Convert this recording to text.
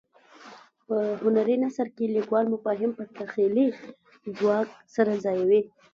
په هنري نثر کې لیکوال مفاهیم په تخیلي ځواک سره ځایوي.